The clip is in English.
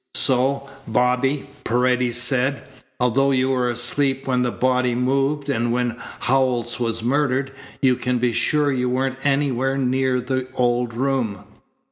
"So, Bobby," Paredes said, "although you were asleep when the body moved and when Howells was murdered, you can be sure you weren't anywhere near the old room."